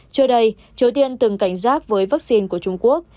trước đây triều tiên từng cảnh giác với vaccine của trung quốc